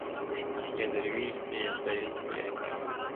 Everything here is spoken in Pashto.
• یا درویش سي یا سایل سي یاکاروان سي..